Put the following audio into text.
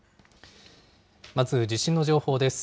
まず、地震の情報です。